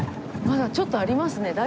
まだちょっとありますね。